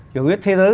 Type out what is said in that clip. hiểu biết thế giới